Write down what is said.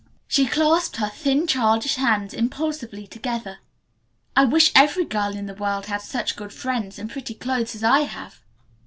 She clasped her thin, childish hands impulsively together. "I wish every girl in the world had such good friends and pretty clothes as I have!"